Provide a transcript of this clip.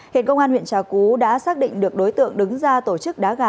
hiện công an huyện trà cú đã xác định được đối tượng đứng ra tổ chức đá gà